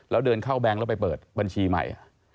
แล้วเดินเข้าแบงค์แล้วไปเปิดบัญชีใหม่